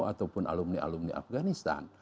ataupun alumni alumni afganistan